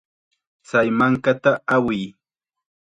Chay mankata awiy.